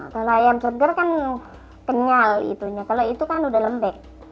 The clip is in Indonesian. kalau ayam peger kan kenyal itunya kalau itu kan udah lembek